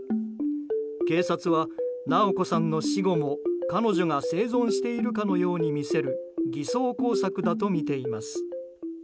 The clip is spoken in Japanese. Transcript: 警察は、直子さんの死後も彼女が生存しているかのように見せる偽装工作だとみています。